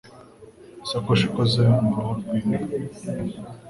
Isakoshi ikoze mu ruhu rw'inka